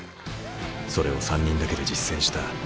それを３人だけで実践した。